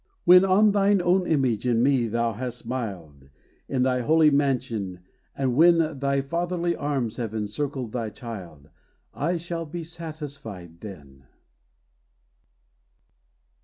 When on thine own image in me thou hast smiled, In thy holy mansion, and when Thy fatherly arms have encircled thy child, O I shall be satisfied then!